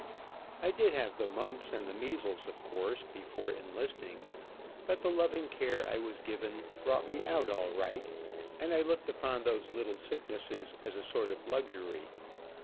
I did have the mumps and the measles, of course before enlisting, but the loving care I was given brought me out all right, and I looked upon those little sicknesses as a sort of luxury.